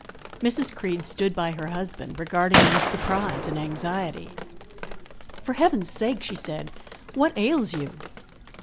Mrs. Creede stood by her husband, regarding him with surprise and anxiety. "For Heaven's sake," she said, "what ails you?"